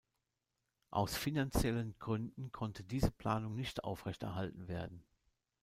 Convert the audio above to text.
Aus finanziellen Gründen konnte diese Planung nicht aufrechterhalten werden.